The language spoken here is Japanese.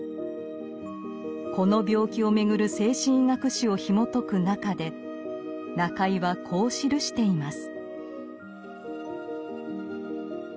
この病気をめぐる精神医学史をひもとくなかで中井はこう記しています。